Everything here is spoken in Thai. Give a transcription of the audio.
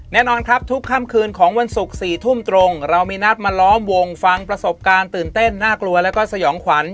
แน่นอนครับทุกค่ำคืนของวันศุกร์๔ทุ่มตรงเรามีนัดมาล้อมวงฟังประสบการณ์ตื่นเต้นน่ากลัวแล้วก็สยองขวัญ